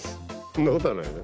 んなことはないね。